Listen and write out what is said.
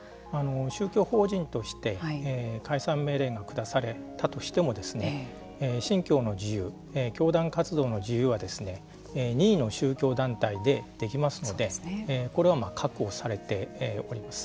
宗教法人として解散命令が下されたとしても信教の自由教団活動の自由はですね任意の宗教団体でできますのでこれは確保されております。